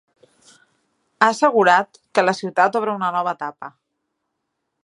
Ha assegurat que la ciutat obre una nova etapa.